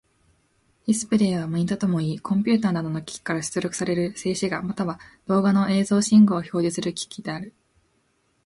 ディスプレイはモニタともいい、コンピュータなどの機器から出力される静止画、または動画の映像信号を表示する機器である。